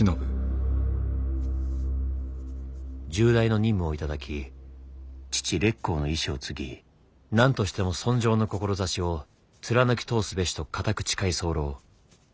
「重大の任務を頂き父烈公の遺志を継ぎ何としても尊攘の志を貫き通すべしと固く誓い候。